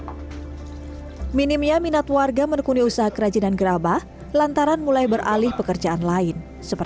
minimnya minat warga menekuni usaha kerajinan gerabah lantaran mulai beralih pekerjaan lain